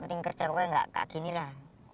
in kerja pokoknya gak kayak ginilah